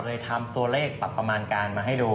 ถ้าเราเลยทำตัวเลขปรับประมาณกันมาให้ดู